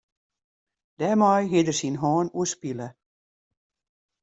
Dêrmei hied er syn hân oerspile.